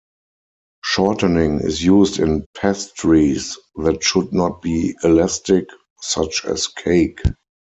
Shortening is used in pastries that should not be elastic, such as cake.